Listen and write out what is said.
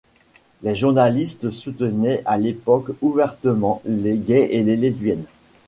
Les journalistes soutenaient à l'époque ouvertement les gays et les lesbiennes.